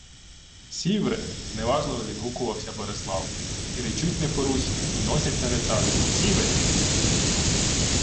— Сіври! — зневажливо відгукувався Борислав. — І речуть не по-руськи, й носяться не так. Сіверь!